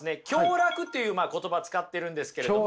享楽っていう言葉使ってるんですけれども。